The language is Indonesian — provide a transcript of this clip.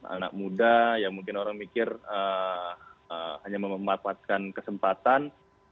anak muda yang mungkin orang mikir hanya memanfaatkan kesempatan